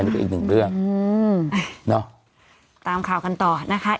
กรมป้องกันแล้วก็บรรเทาสาธารณภัยนะคะ